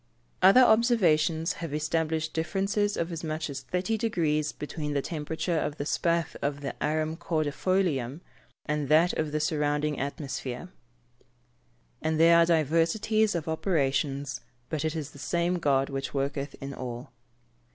Other observations have established differences of as much as 30 deg. between the temperature of the spathe of the Arum cordifolium, and that of the surrounding atmosphere. [Verse: "And there are diversities of operations, but it is the same God which worketh in all."